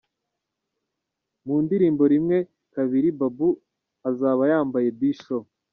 Mu ndirimbo Rimwe kabiri, Babou azaba yambaye B-Show.